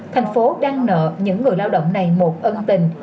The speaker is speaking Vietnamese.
thành phố đang nợ những người lao động này một ân tình